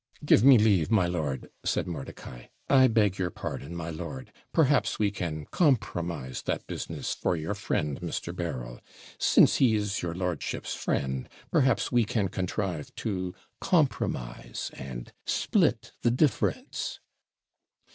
'Give me leave, my lord,' said Mordicai. 'I beg your pardon, my lord, perhaps we can compromise that business for your friend Mr. Berryl; since he is your lordship's friend, perhaps we can contrive to COMPROMISE and SPLIT THE DIFFERENCE.'